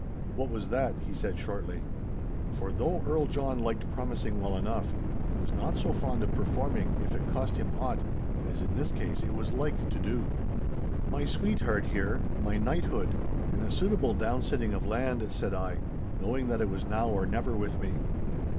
'What was that?' he said shortly. For though Earl John liked promising well enough, he was not so fond of performing if it cost him aught, as in this case it was like to do. 'My sweetheart here, my knighthood, and a suitable down sitting of land,' said I, knowing that it was now or never with me.